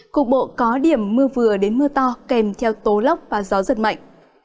cục bộ có điểm mưa vừa đến mưa to kèm theo tố lốc và gió giật mạnh